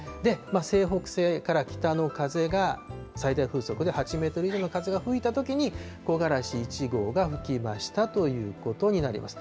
西北西から北の風が最大風速で８メートル以上の風が吹いたときに、木枯らし１号が吹きましたということになります。